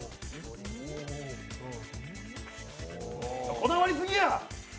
こだわりすぎや！